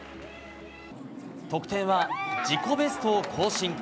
得点は自己ベストを更新。